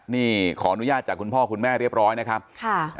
นี่ขออนุญาตจากคุณพ่อคุณแม่เรียบร้อยนะครับค่ะ